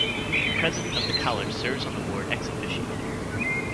The President of the College serves on the Board ex officio.